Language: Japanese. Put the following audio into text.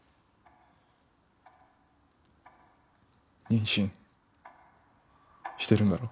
妊娠してるんだろ？